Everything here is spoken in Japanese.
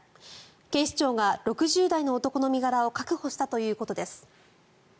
警視庁が６０代の男の身柄を確保したということです。